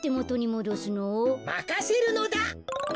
まかせるのだ。